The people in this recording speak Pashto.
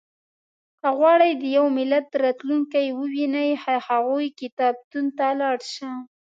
• که غواړې د یو ملت راتلونکی ووینې، د هغوی کتابتون ته لاړ شه.